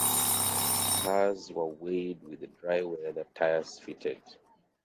Cars are weighed with dry-weather tyres fitted.